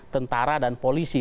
tentara dan polisi